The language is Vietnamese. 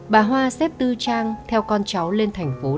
bà hoa xếp tư trang theo con cháu lên thành phố